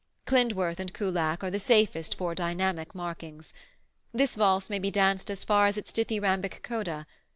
Klindworth and Kullak are the safest for dynamic markings. This valse may be danced as far as its dithyrhambic coda.